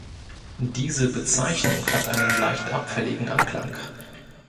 Diese Bezeichnung hat einen leicht abfälligen Anklang.